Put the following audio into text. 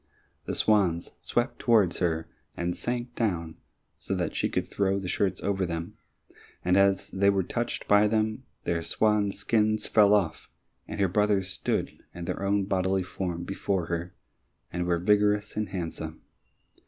The swans swept towards her and sank down so that she could throw the shirts over them, and as they were touched by them, their swan's skins fell off, and her brothers stood in their own bodily form before her, and were vigorous and handsome.